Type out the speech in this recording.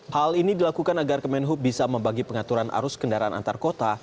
hal ini dilakukan agar kemenhub bisa membagi pengaturan arus kendaraan antar kota